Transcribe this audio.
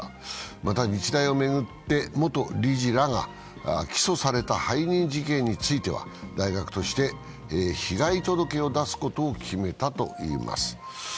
また、日大を巡って元理事らが起訴された背任事件については大学として被害届を出すことを決めたといいます。